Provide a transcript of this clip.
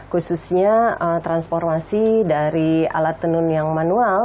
khususnya transformasi dari alat tenun yang manual